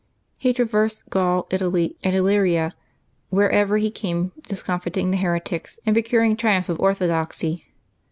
He traversed Gaul, Italy, and Illyria, wherever he came discomfiting the heretics and procuring triumph of ortho doxy.